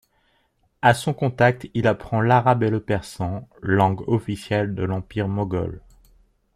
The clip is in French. À son contact, il apprend l'arabe et le persan, langue officielle de l'empire moghol.